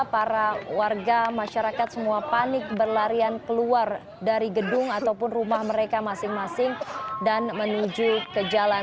para warga masyarakat semua panik berlarian keluar dari gedung ataupun rumah mereka masing masing dan menuju ke jalan